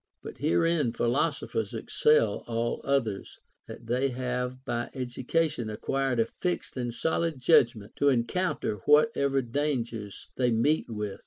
But herein philosophers excel all others, that they have by education acquired a fixed and solid judgment to encounter whatever dangers they meet with.